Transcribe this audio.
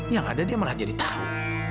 yang ada dia malah jadi tahu